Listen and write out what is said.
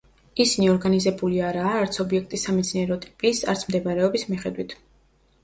ისინი ორგანიზებული არაა არც ობიექტის სამეცნიერო ტიპის, არც მდებარეობის მიხედვით.